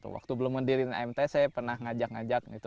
waktu belum mendirikan mt saya pernah ngajak ngajak latihan